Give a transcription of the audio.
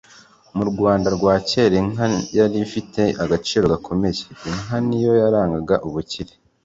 Mu Rwanda rwa kera inka yari ifite agaciro gakomeye. Inka ni yo yarangaga ubukire.